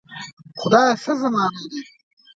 خدایه څه زمانه ده.